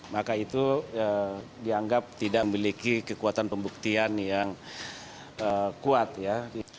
maka itu dianggap tidak memiliki kekuatan pembuktian yang kuat ya